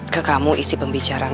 ke kamu isi pembicaraan